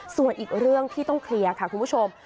ส่วนอีกเรื่องที่ต้องเคลียร์ค่ะคุณผู้ชม